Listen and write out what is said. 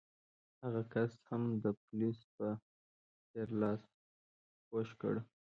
هغه کس هم د پولیس په څېر لاس کوږ کړ.